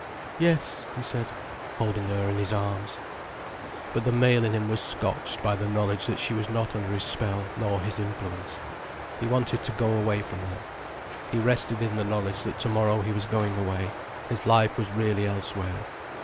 "Yes," he said, holding her in his arms. But the male in him was scotched by the knowledge that she was not under his spell nor his influence. He wanted to go away from her. He rested in the knowledge that to morrow he was going away, his life was really elsewhere.